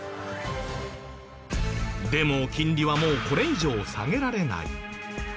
でも金利はもうこれ以上下げられない。